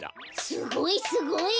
すごいすごい。